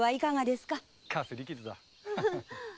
かすり傷だ。